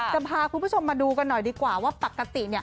จะพาคุณผู้ชมมาดูกันด้วยก่อนว่าปกติ